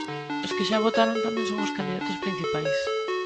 Os que xa votaron tamén son os candidatos principais.